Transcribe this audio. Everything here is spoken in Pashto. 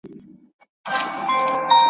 پردي وطن ته په کډه تللي ,